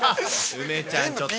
梅ちゃん、ちょっと。